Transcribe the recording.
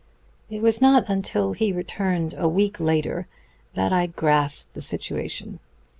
"It was not until he returned a week later that I grasped the situation.